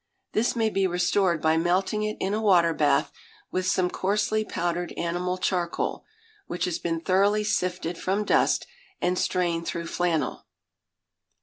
This may be restored by melting it in a water bath, with some coarsely powdered animal charcoal, which has been thoroughly sifted from dust, and strained through flannel.